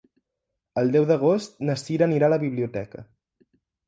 El deu d'agost na Cira anirà a la biblioteca.